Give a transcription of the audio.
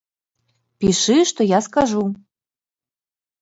Пішы, што я скажу!